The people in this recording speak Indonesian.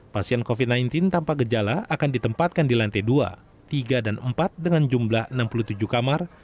pasien covid sembilan belas tanpa gejala akan ditempatkan di lantai dua tiga dan empat dengan jumlah enam puluh tujuh kamar